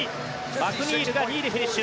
マクニールが２位でフィニッシュ。